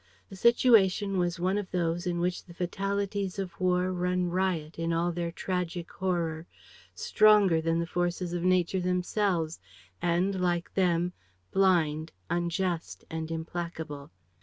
The situation was one of those in which the fatalities of war run riot in all their tragic horror, stronger than the forces of nature themselves and, like them, blind, unjust and implacable.